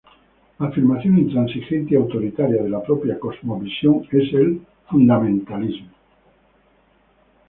La afirmación intransigente y autoritaria de la propia cosmovisión es el fundamentalismo.